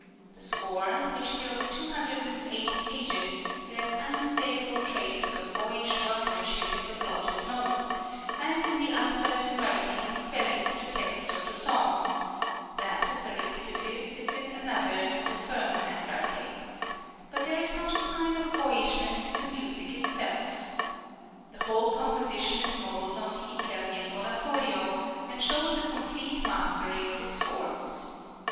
The score, which fills 208 pages, bears unmistakable traces of boyish workmanship in the blotted notes, and in the uncertain writing and spelling of the text of the songs (that of the recitatives is in another and a firmer handwriting), but there is not a sign of boyishness in the music itself. The whole composition is modelled on the Italian oratorio, and shows a complete mastery of its forms.